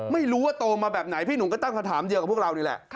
ไม่รู้ว่าโตมาแบบไหนพี่หนุ่มก็ตั้งคำถามเดียวกับพวกเรานี่แหละ